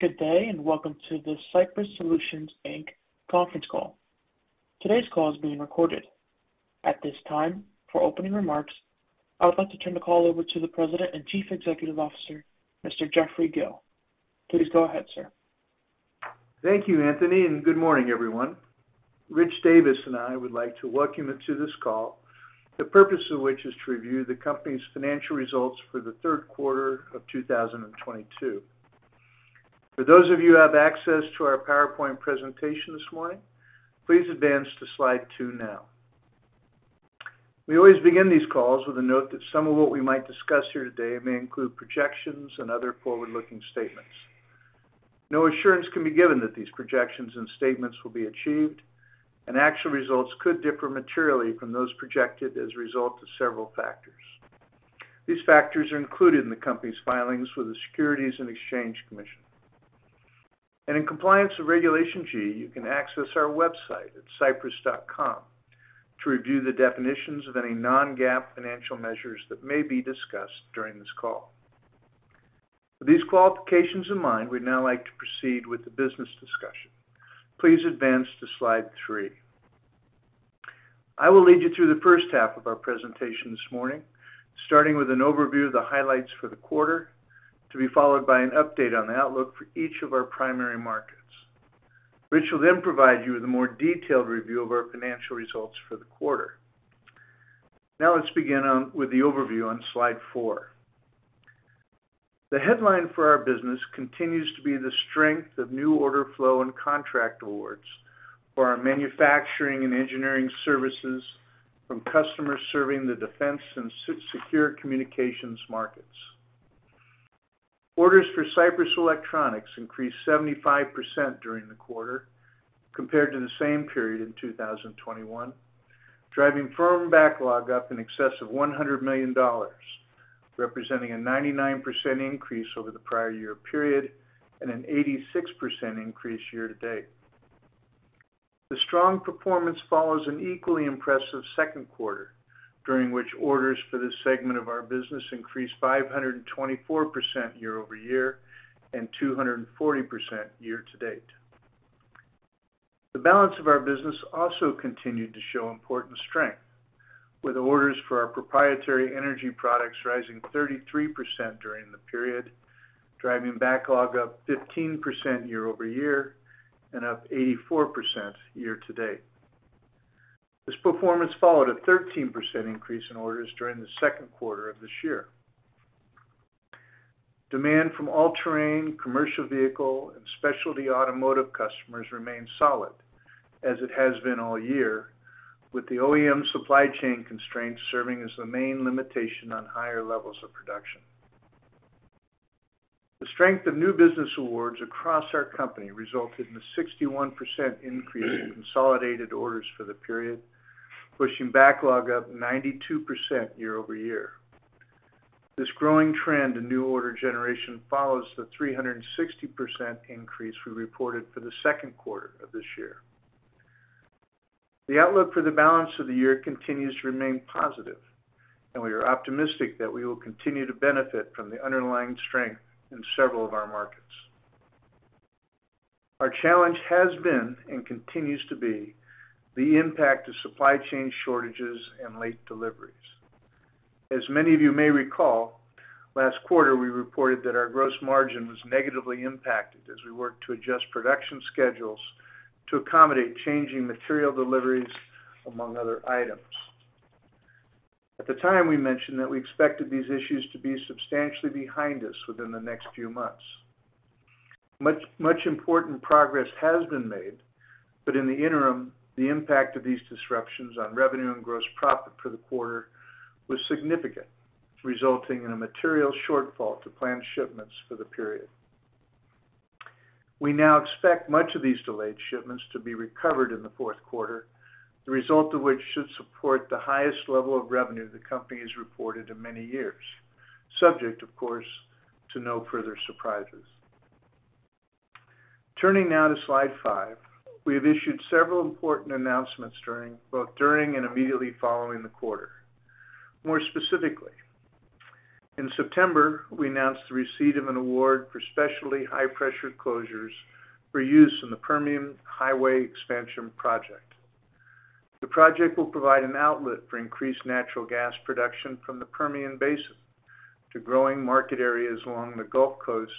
Good day, and welcome to the Sypris Solutions, Inc. conference call. Today's call is being recorded. At this time, for opening remarks, I would like to turn the call over to the President and Chief Executive Officer, Mr. Jeffrey Gill. Please go ahead, sir. Thank you, Anthony, and good morning, everyone. Rich Davis and I would like to welcome you to this call, the purpose of which is to review the company's financial results for the third quarter of 2022. For those of you who have access to our PowerPoint presentation this morning, please advance to Slide 2 now. We always begin these calls with a note that some of what we might discuss here today may include projections and other forward-looking statements. No assurance can be given that these projections and statements will be achieved, and actual results could differ materially from those projected as a result of several factors. These factors are included in the company's filings with the Securities and Exchange Commission. In compliance with Regulation G, you can access our website at sypris.com to review the definitions of any non-GAAP financial measures that may be discussed during this call. With these qualifications in mind, we'd now like to proceed with the business discussion. Please advance to Slide 3. I will lead you through the first half of our presentation this morning, starting with an overview of the highlights for the quarter, to be followed by an update on the outlook for each of our primary markets. Rich will then provide you with a more detailed review of our financial results for the quarter. Now let's begin with the overview on Slide 4. The headline for our business continues to be the strength of new order flow and contract awards for our manufacturing and engineering services from customers serving the defense and secure communications markets. Orders for Sypris Electronics increased 75% during the quarter compared to the same period in 2021, driving firm backlog up in excess of $100 million, representing a 99% increase over the prior year period and an 86% increase year to date. The strong performance follows an equally impressive second quarter, during which orders for this segment of our business increased 524% year-over-year and 240% year to date. The balance of our business also continued to show important strength, with orders for our proprietary energy products rising 33% during the period, driving backlog up 15% year-over-year and up 84% year to date. This performance followed a 13% increase in orders during the second quarter of this year. Demand from all-terrain, commercial vehicle, and specialty automotive customers remained solid, as it has been all year, with the OEM supply chain constraints serving as the main limitation on higher levels of production. The strength of new business awards across our company resulted in a 61% increase in consolidated orders for the period, pushing backlog up 92% year-over-year. This growing trend in new order generation follows the 360% increase we reported for the second quarter of this year. The outlook for the balance of the year continues to remain positive, and we are optimistic that we will continue to benefit from the underlying strength in several of our markets. Our challenge has been, and continues to be, the impact of supply chain shortages and late deliveries. As many of you may recall, last quarter, we reported that our gross margin was negatively impacted as we worked to adjust production schedules to accommodate changing material deliveries, among other items. At the time, we mentioned that we expected these issues to be substantially behind us within the next few months. Much, much important progress has been made, but in the interim, the impact of these disruptions on revenue and gross profit for the quarter was significant, resulting in a material shortfall to planned shipments for the period. We now expect much of these delayed shipments to be recovered in the fourth quarter, the result of which should support the highest level of revenue the company has reported in many years, subject, of course, to no further surprises. Turning now to Slide 5. We have issued several important announcements both during and immediately following the quarter. More specifically, in September, we announced the receipt of an award for specialty high-pressure closures for use in the Permian Highway expansion project. The project will provide an outlet for increased natural gas production from the Permian Basin to growing market areas along the Gulf Coast,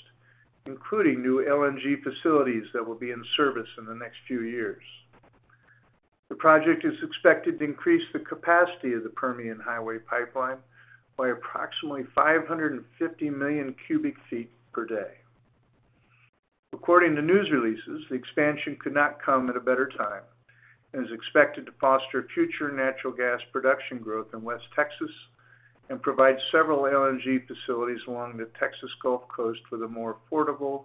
including new LNG facilities that will be in service in the next few years. The project is expected to increase the capacity of the Permian Highway pipeline by approximately 550 million cubic feet per day. According to news releases, the expansion could not come at a better time and is expected to foster future natural gas production growth in West Texas and provide several LNG facilities along the Texas Gulf Coast with a more affordable,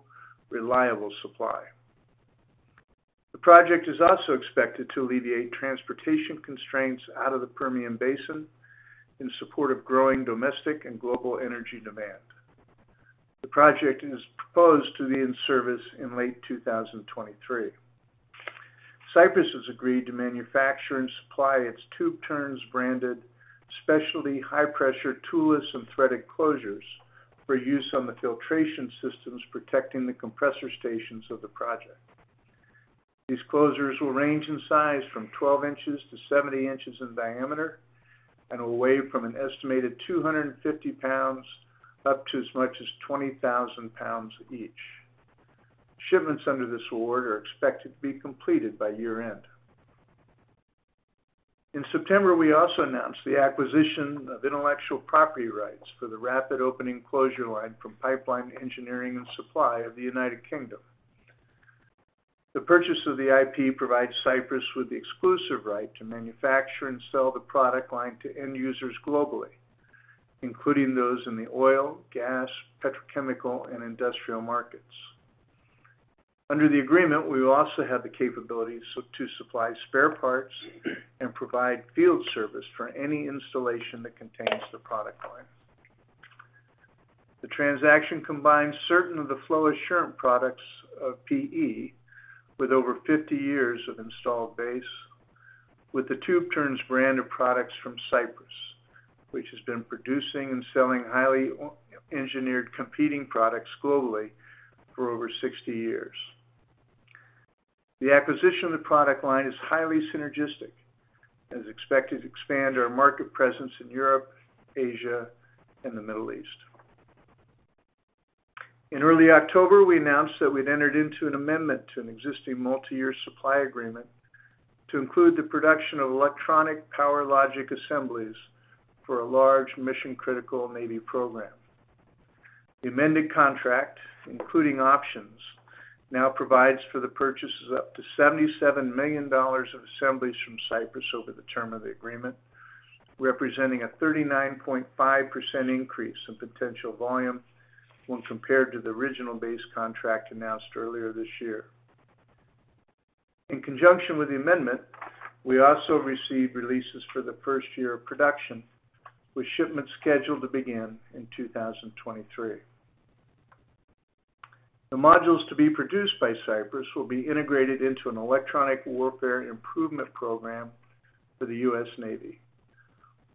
reliable supply. The project is also expected to alleviate transportation constraints out of the Permian Basin in support of growing domestic and global energy demand. The project is proposed to be in service in late 2023. Sypris has agreed to manufacture and supply its Tube Turns branded specialty high pressure toolless and threaded closures for use on the filtration systems protecting the compressor stations of the project. These closures will range in size from 12 inches to 70 inches in diameter and will weigh from an estimated 250 pounds up to as much as 20,000 pounds each. Shipments under this award are expected to be completed by year-end. In September, we also announced the acquisition of intellectual property rights for the rapid opening closure line from Pipeline Engineering & Supply Co. Ltd. of the United Kingdom. The purchase of the IP provides Sypris with the exclusive right to manufacture and sell the product line to end users globally, including those in the oil, gas, petrochemical, and industrial markets. Under the agreement, we will also have the capability to supply spare parts and provide field service for any installation that contains the product line. The transaction combines certain of the flow assurance products of PE with over 50 years of installed base with the Tube Turns brand of products from Sypris, which has been producing and selling highly engineered competing products globally for over 60 years. The acquisition of the product line is highly synergistic, and is expected to expand our market presence in Europe, Asia, and the Middle East. In early October, we announced that we'd entered into an amendment to an existing multi-year supply agreement to include the production of electronic power logic assemblies for a large mission-critical Navy program. The amended contract, including options, now provides for the purchases up to $77 million of assemblies from Sypris over the term of the agreement, representing a 39.5% increase in potential volume when compared to the original base contract announced earlier this year. In conjunction with the amendment, we also received releases for the first year of production, with shipments scheduled to begin in 2023. The modules to be produced by Sypris will be integrated into an electronic warfare improvement program for the U.S. Navy.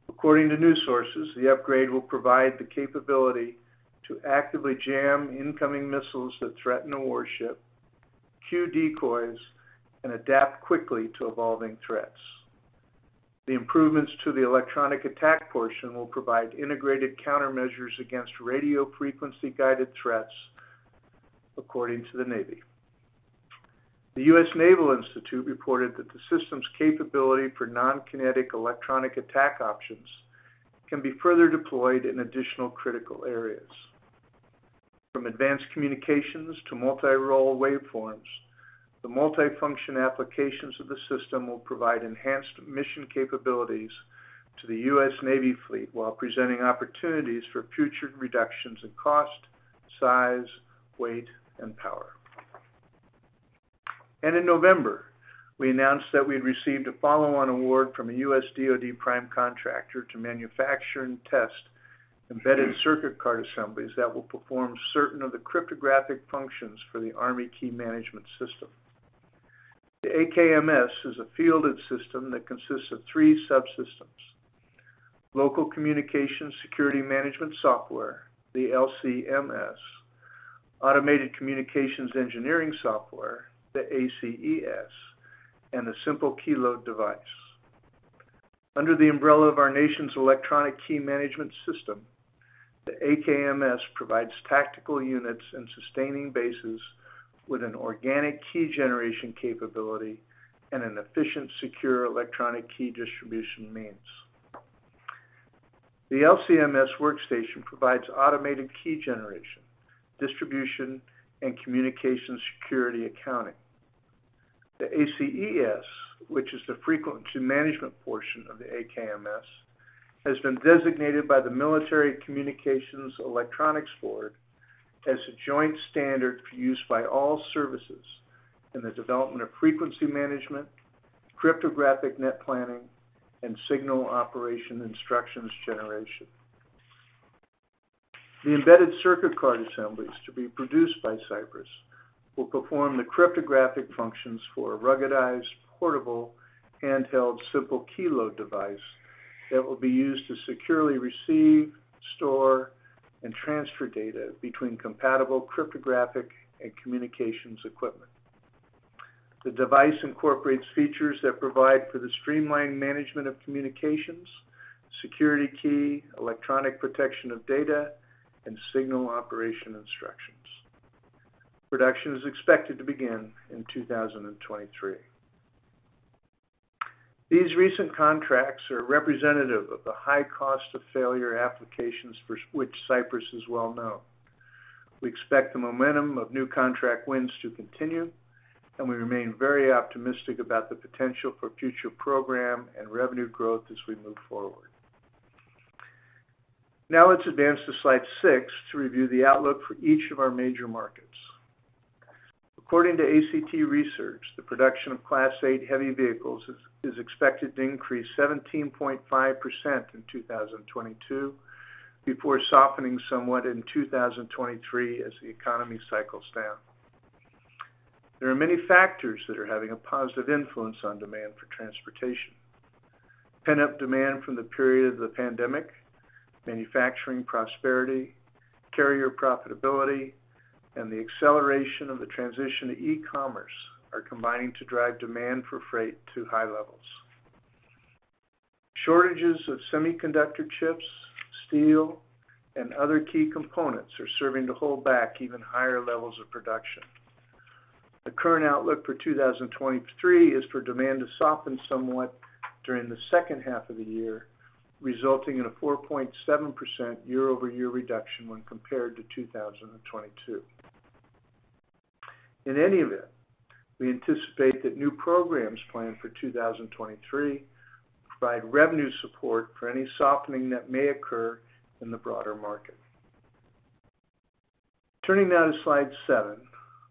According to news sources, the upgrade will provide the capability to actively jam incoming missiles that threaten a warship, cue decoys, and adapt quickly to evolving threats. The improvements to the electronic attack portion will provide integrated countermeasures against radio frequency-guided threats according to the Navy. The U.S. Naval Institute reported that the system's capability for non-kinetic electronic attack options can be further deployed in additional critical areas. From advanced communications to multi-role waveforms, the multifunction applications of the system will provide enhanced mission capabilities to the U.S. Navy fleet while presenting opportunities for future reductions in cost, size, weight, and power. In November, we announced that we had received a follow-on award from a U.S. DoD prime contractor to manufacture and test embedded circuit card assemblies that will perform certain of the cryptographic functions for the Army Key Management System. The AKMS is a fielded system that consists of three subsystems, Local COMSEC Management Software, the LCMS, Automated Communications Engineering Software, the ACES, and the Simple Key Loader. Under the umbrella of our nation's Electronic Key Management System, the AKMS provides tactical units and sustaining bases with an organic key generation capability and an efficient, secure electronic key distribution means. The LCMS workstation provides automated key generation, distribution, and communication security accounting. The ACES, which is the frequency management portion of the AKMS, has been designated by the Military Communications-Electronics Board as the joint standard for use by all services in the development of frequency management, cryptographic net planning, and signal operation instructions generation. The embedded circuit card assemblies to be produced by Sypris will perform the cryptographic functions for a ruggedized, portable, handheld Simple Key Loader that will be used to securely receive, store, and transfer data between compatible cryptographic and communications equipment. The device incorporates features that provide for the streamlined management of communications, security key, electronic protection of data, and signal operation instructions. Production is expected to begin in 2023. These recent contracts are representative of the high cost of failure applications for which Sypris is well known. We expect the momentum of new contract wins to continue, and we remain very optimistic about the potential for future program and revenue growth as we move forward. Now, let's advance to Slide 6 to review the outlook for each of our major markets. According to ACT Research, the production of Class 8 heavy vehicles is expected to increase 17.5% in 2022 before softening somewhat in 2023 as the economy cycles down. There are many factors that are having a positive influence on demand for transportation. Pent-up demand from the period of the pandemic, manufacturing prosperity, carrier profitability, and the acceleration of the transition to e-commerce are combining to drive demand for freight to high levels. Shortages of semiconductor chips, steel, and other key components are serving to hold back even higher levels of production. The current outlook for 2023 is for demand to soften somewhat during the second half of the year, resulting in a 4.7% year-over-year reduction when compared to 2022. In any event, we anticipate that new programs planned for 2023 provide revenue support for any softening that may occur in the broader market. Turning now to Slide 7.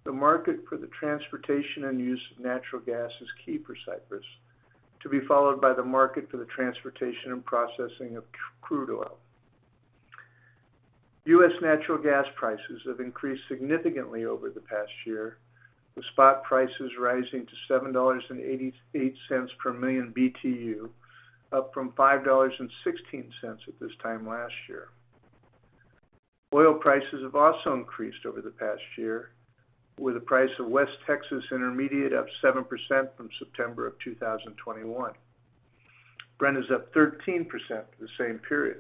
The market for the transportation and use of natural gas is key for Sypris, to be followed by the market for the transportation and processing of crude oil. U.S. natural gas prices have increased significantly over the past year, with spot prices rising to $7.88 per million BTU, up from $5.16 at this time last year. Oil prices have also increased over the past year, with the price of West Texas Intermediate up 7% from September 2021. Brent is up 13% for the same period.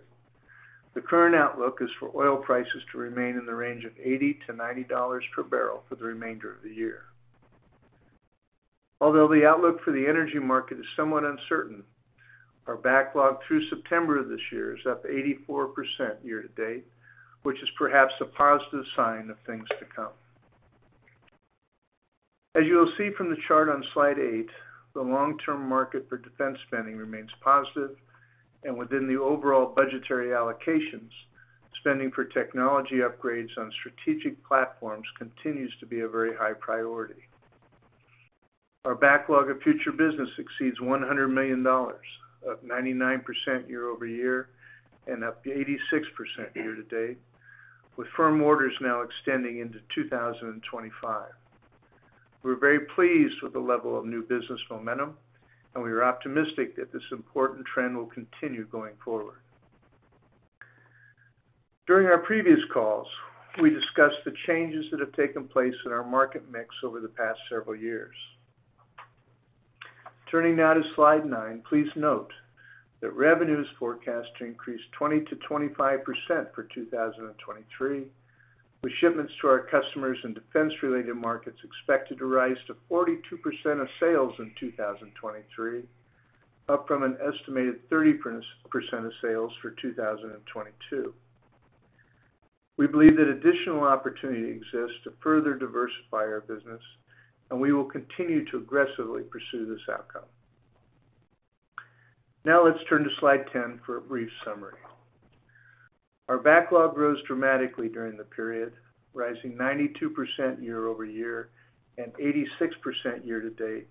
The current outlook is for oil prices to remain in the range of $80-$90 per barrel for the remainder of the year. Although the outlook for the energy market is somewhat uncertain, our backlog through September this year is up 84% year to date, which is perhaps a positive sign of things to come. As you will see from the chart on Slide 8, the long-term market for defense spending remains positive, and within the overall budgetary allocations, spending for technology upgrades on strategic platforms continues to be a very high priority. Our backlog of future business exceeds $100 million, up 99% year-over-year and up 86% year to date, with firm orders now extending into 2025. We're very pleased with the level of new business momentum, and we are optimistic that this important trend will continue going forward. During our previous calls, we discussed the changes that have taken place in our market mix over the past several years. Turning now to Slide 9, please note that revenue is forecast to increase 20%-25% for 2023, with shipments to our customers in defense-related markets expected to rise to 42% of sales in 2023, up from an estimated 30% of sales for 2022. We believe that additional opportunity exists to further diversify our business, and we will continue to aggressively pursue this outcome. Now let's turn to Slide 10 for a brief summary. Our backlog rose dramatically during the period, rising 92% year over year and 86% year to date,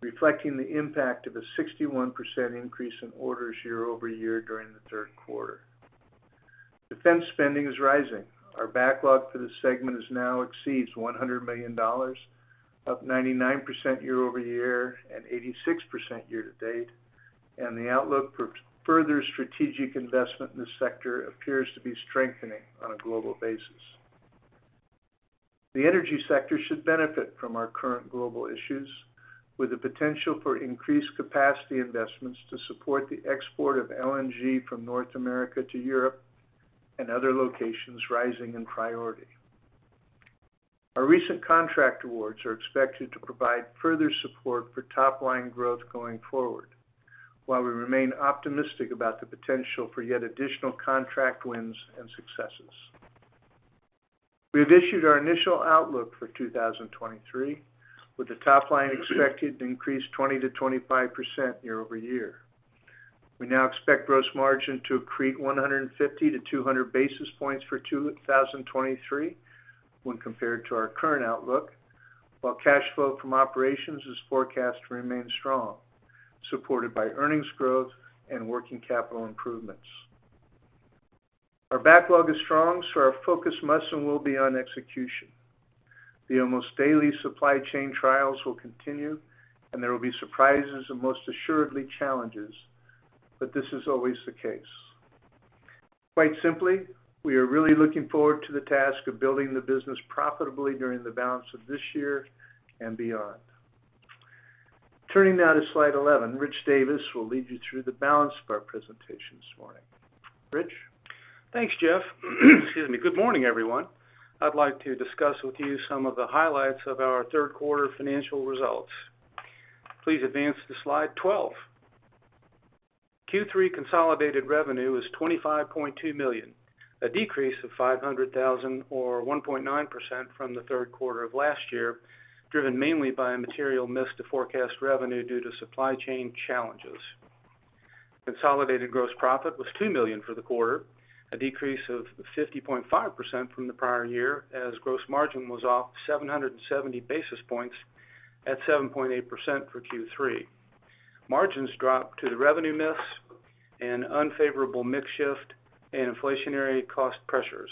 reflecting the impact of a 61% increase in orders year over year during the third quarter. Defense spending is rising. Our backlog for this segment now exceeds $100 million, up 99% year over year and 86% year to date. The outlook for further strategic investment in this sector appears to be strengthening on a global basis. The energy sector should benefit from our current global issues, with the potential for increased capacity investments to support the export of LNG from North America to Europe and other locations rising in priority. Our recent contract awards are expected to provide further support for top line growth going forward, while we remain optimistic about the potential for yet additional contract wins and successes. We have issued our initial outlook for 2023, with the top line expected to increase 20%-25% year-over-year. We now expect gross margin to accrete 150-200 basis points for 2023 when compared to our current outlook, while cash flow from operations is forecast to remain strong, supported by earnings growth and working capital improvements. Our backlog is strong, so our focus must and will be on execution. The almost daily supply chain trials will continue, and there will be surprises and most assuredly challenges, but this is always the case. Quite simply, we are really looking forward to the task of building the business profitably during the balance of this year and beyond. Turning now to Slide 11, Rich Davis will lead you through the balance of our presentation this morning. Rich? Thanks, Jeff. Excuse me. Good morning, everyone. I'd like to discuss with you some of the highlights of our third quarter financial results. Please advance to Slide 12. Q3 consolidated revenue was $25.2 million, a decrease of $500,000 or 1.9% from the third quarter of last year, driven mainly by a material miss to forecast revenue due to supply chain challenges. Consolidated gross profit was $2 million for the quarter, a decrease of 50.5% from the prior year as gross margin was off 770 basis points at 7.8% for Q3. Margins dropped to the revenue miss and unfavorable mix shift and inflationary cost pressures.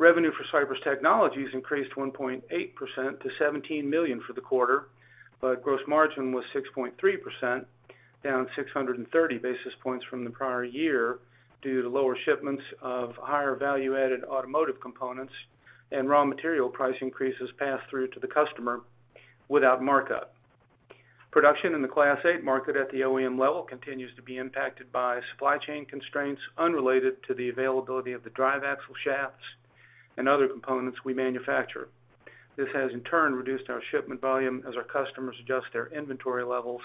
Revenue for Sypris Technologies increased 1.8% to $17 million for the quarter, but gross margin was 6.3%, down 630 basis points from the prior year due to lower shipments of higher value-added automotive components and raw material price increases passed through to the customer without markup. Production in the Class 8 market at the OEM level continues to be impacted by supply chain constraints unrelated to the availability of the drive axle shafts and other components we manufacture. This has, in turn, reduced our shipment volume as our customers adjust their inventory levels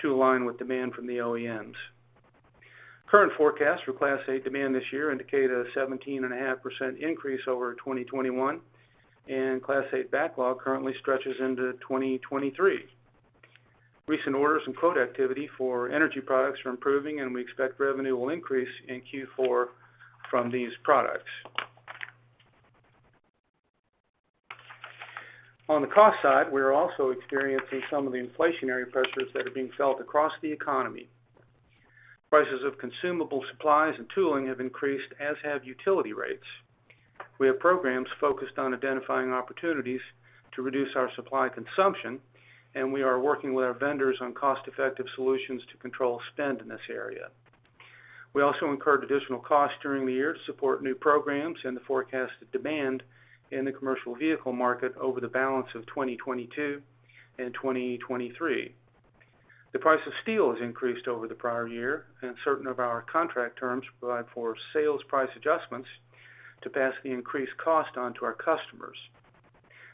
to align with demand from the OEMs. Current forecasts for Class 8 demand this year indicate a 17.5% increase over 2021, and Class 8 backlog currently stretches into 2023. Recent orders and quote activity for energy products are improving, and we expect revenue will increase in Q4 from these products. On the cost side, we are also experiencing some of the inflationary pressures that are being felt across the economy. Prices of consumable supplies and tooling have increased, as have utility rates. We have programs focused on identifying opportunities to reduce our supply consumption, and we are working with our vendors on cost-effective solutions to control spend in this area. We also incurred additional costs during the year to support new programs and the forecasted demand in the commercial vehicle market over the balance of 2022 and 2023. The price of steel has increased over the prior year, and certain of our contract terms provide for sales price adjustments to pass the increased cost on to our customers.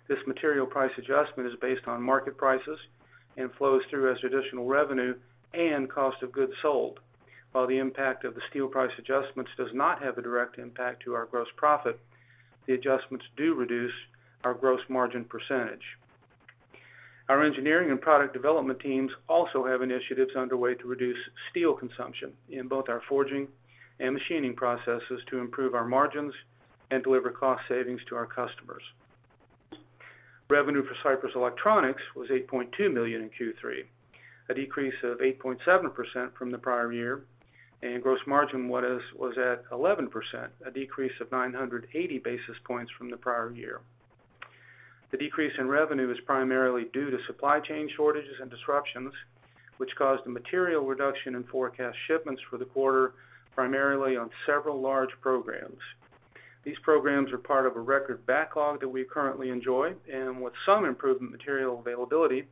This material price adjustment is based on market prices and flows through as additional revenue and cost of goods sold. While the impact of the steel price adjustments does not have a direct impact to our gross profit, the adjustments do reduce our gross margin percentage. Our engineering and product development teams also have initiatives underway to reduce steel consumption in both our forging and machining processes to improve our margins and deliver cost savings to our customers. Revenue for Sypris Electronics was $8.2 million in Q3, a decrease of 8.7% from the prior year, and gross margin was at 11%, a decrease of 980 basis points from the prior year. The decrease in revenue is primarily due to supply chain shortages and disruptions, which caused a material reduction in forecast shipments for the quarter, primarily on several large programs. These programs are part of a record backlog that we currently enjoy, and with some improvement in material availability,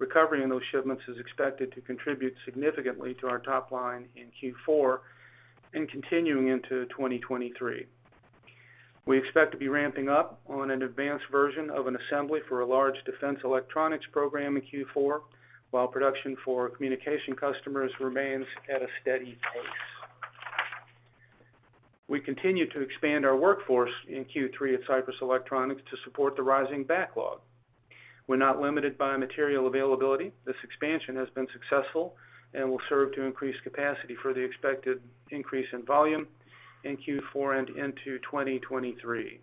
recovery in those shipments is expected to contribute significantly to our top line in Q4 and continuing into 2023. We expect to be ramping up on an advanced version of an assembly for a large defense electronics program in Q4, while production for communication customers remains at a steady pace. We continue to expand our workforce in Q3 at Sypris Electronics to support the rising backlog. We're not limited by material availability. This expansion has been successful and will serve to increase capacity for the expected increase in volume in Q4 and into 2023.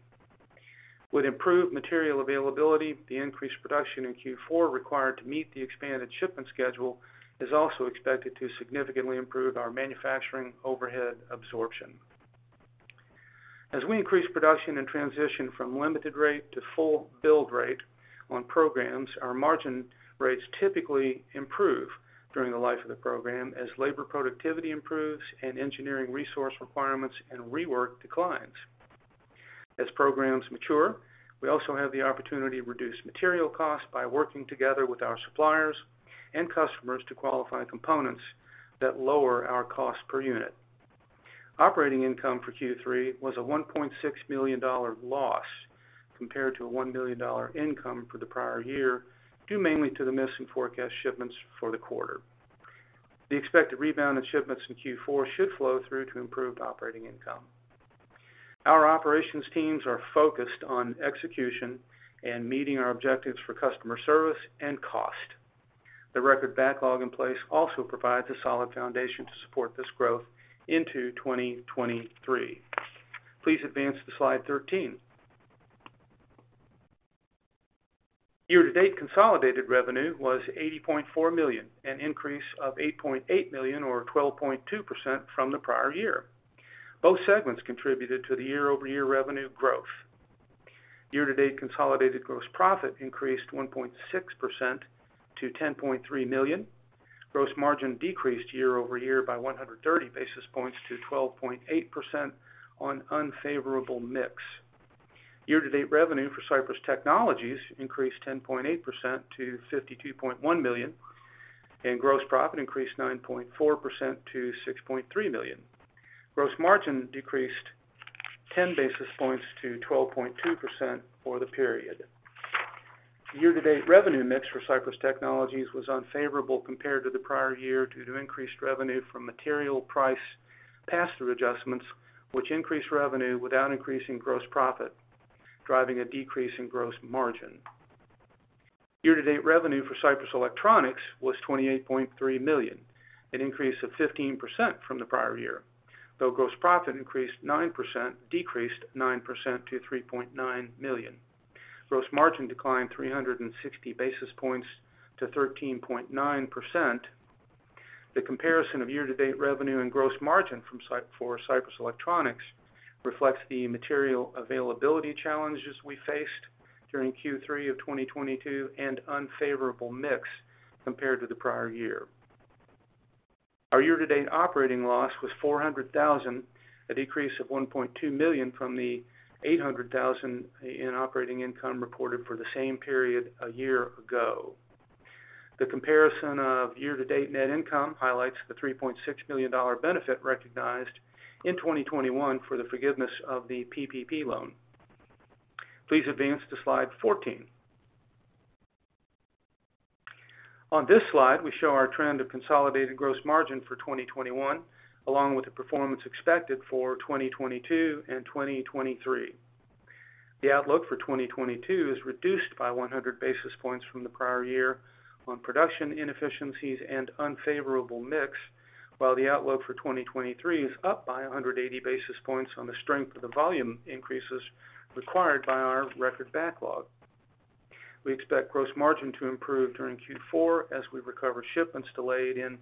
With improved material availability, the increased production in Q4 required to meet the expanded shipment schedule is also expected to significantly improve our manufacturing overhead absorption. As we increase production and transition from limited rate to full build rate on programs, our margin rates typically improve during the life of the program as labor productivity improves and engineering resource requirements and rework declines. As programs mature, we also have the opportunity to reduce material costs by working together with our suppliers and customers to qualify components that lower our cost per unit. Operating income for Q3 was a $1.6 million loss, compared to a $1 million income for the prior year, due mainly to the missing forecast shipments for the quarter. The expected rebound in shipments in Q4 should flow through to improved operating income. Our operations teams are focused on execution and meeting our objectives for customer service and cost. The record backlog in place also provides a solid foundation to support this growth into 2023. Please advance to Slide 13. Year-to-date consolidated revenue was $80.4 million, an increase of $8.8 million, or 12.2% from the prior year. Both segments contributed to the year-over-year revenue growth. Year-to-date consolidated gross profit increased 1.6% to $10.3 million. Gross margin decreased year-over-year by 130 basis points to 12.8% on unfavorable mix. Year-to-date revenue for Sypris Technologies increased 10.8% to $52.1 million, and gross profit increased 9.4% to $6.3 million. Gross margin decreased 10 basis points to 12.2% for the period. Year-to-date revenue mix for Sypris Technologies was unfavorable compared to the prior year due to increased revenue from material price pass-through adjustments, which increased revenue without increasing gross profit, driving a decrease in gross margin. Year-to-date revenue for Sypris Electronics was $28.3 million, an increase of 15% from the prior year, though gross profit decreased 9% to $3.9 million. Gross margin declined 360 basis points to 13.9%. The comparison of year-to-date revenue and gross margin for Sypris Electronics reflects the material availability challenges we faced during Q3 of 2022 and unfavorable mix compared to the prior year. Our year-to-date operating loss was $400,000, a decrease of $1.2 million from the $800,000 in operating income reported for the same period a year ago. The comparison of year-to-date net income highlights the $3.6 million benefit recognized in 2021 for the forgiveness of the PPP loan. Please advance to Slide 14. On this slide, we show our trend of consolidated gross margin for 2021, along with the performance expected for 2022 and 2023. The outlook for 2022 is reduced by 100 basis points from the prior year on production inefficiencies and unfavorable mix, while the outlook for 2023 is up by 180 basis points on the strength of the volume increases required by our record backlog. We expect gross margin to improve during Q4 as we recover shipments delayed in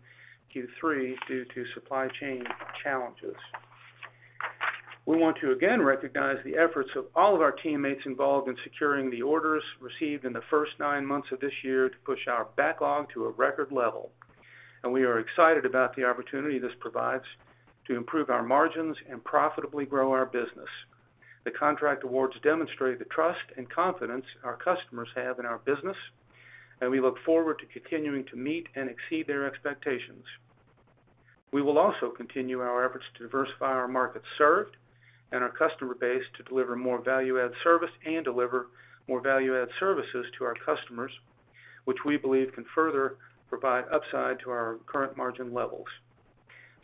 Q3 due to supply chain challenges. We want to again recognize the efforts of all of our teammates involved in securing the orders received in the first nine months of this year to push our backlog to a record level, and we are excited about the opportunity this provides to improve our margins and profitably grow our business. The contract awards demonstrate the trust and confidence our customers have in our business, and we look forward to continuing to meet and exceed their expectations. We will also continue our efforts to diversify our market served and our customer base to deliver more value-add service and deliver more value-add services to our customers, which we believe can further provide upside to our current margin levels.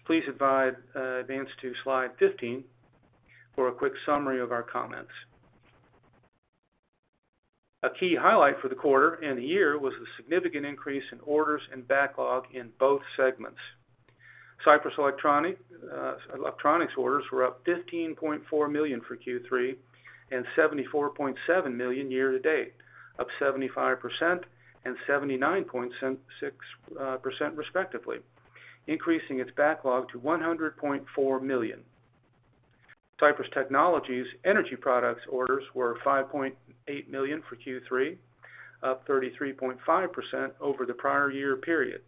Please advance to Slide 15 for a quick summary of our comments. A key highlight for the quarter and the year was the significant increase in orders and backlog in both segments. Sypris Electronics orders were up $15.4 million for Q3 and $74.7 million year to date, up 75% and 79.6% respectively, increasing its backlog to $100.4 million. Sypris Technologies energy products orders were $5.8 million for Q3, up 33.5% over the prior year period.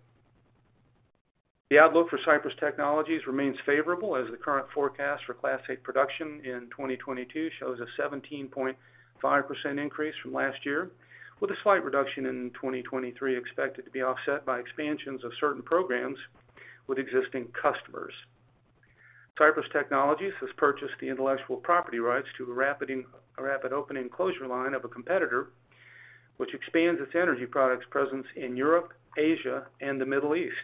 The outlook for Sypris Technologies remains favorable, as the current forecast for Class 8 production in 2022 shows a 17.5% increase from last year, with a slight reduction in 2023 expected to be offset by expansions of certain programs with existing customers. Sypris Technologies has purchased the intellectual property rights to a rapid opening closure line of a competitor, which expands its energy products presence in Europe, Asia, and the Middle East.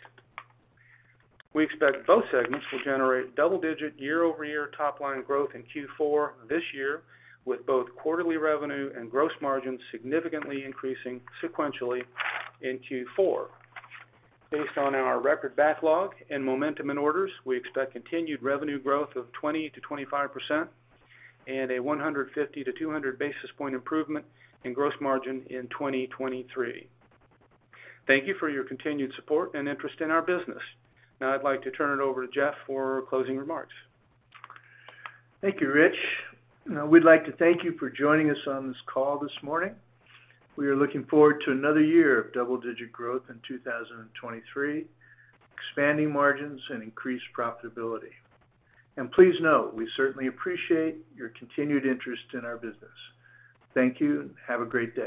We expect both segments will generate double-digit year-over-year top-line growth in Q4 this year, with both quarterly revenue and gross margins significantly increasing sequentially in Q4. Based on our record backlog and momentum in orders, we expect continued revenue growth of 20%-25% and a 150-200 basis point improvement in gross margin in 2023. Thank you for your continued support and interest in our business. Now I'd like to turn it over to Jeff for closing remarks. Thank you, Rich. Now, we'd like to thank you for joining us on this call this morning. We are looking forward to another year of double-digit growth in 2023, expanding margins, and increased profitability. Please note, we certainly appreciate your continued interest in our business. Thank you, and have a great day.